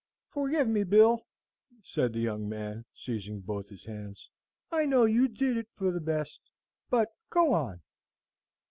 "Forgive me, Bill," said the young man, seizing both his hands. "I know you did it for the best; but go on."